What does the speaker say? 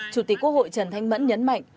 chủ tịch quốc hội trần thanh mẫn nhấn mạnh